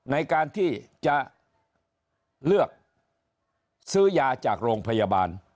ในการที่จะเลือกซื้อยาจากโรงพยาบาล